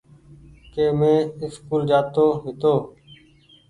ڪي مين اسڪول جآ تو هيتو